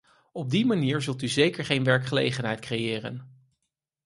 Op die manier zult u zeker geen werkgelegenheid creëren.